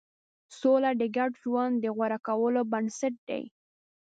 سوله د ګډ ژوند د غوره کولو بنسټ دی.